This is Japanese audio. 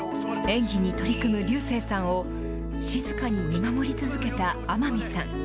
演技に取り組む竜星さんを、静かに見守り続けた天海さん。